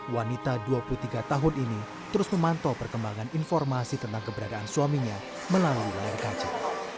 wanita dua puluh tiga tahun ini terus memantau perkembangan informasi tentang keberadaan suaminya melalui lion air jt enam ratus sepuluh